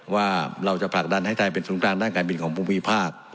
ว่าเราจะผลักดันให้ไทยเป็นทุนทางทางการบินของบุงพฤภาษฐ์